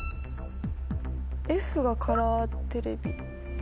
Ｆがカラーテレビ。